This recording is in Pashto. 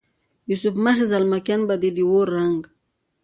یوسف مخې زلمکیان به دې د اور رنګ،